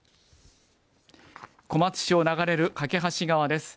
小松市を流れる梯川です。